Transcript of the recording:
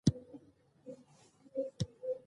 هغه د قضای حاجت لپاره وتلی وو.